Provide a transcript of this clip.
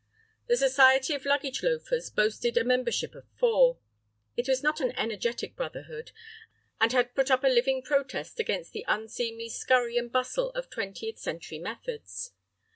The society of luggage loafers boasted a membership of four. It was not an energetic brotherhood, and had put up a living protest against the unseemly scurry and bustle of twentieth century methods.